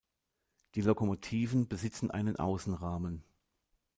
Die Lokomotiven besitzen einen Außenrahmen.